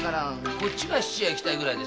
こっちが質屋へ行きたいぐらいで。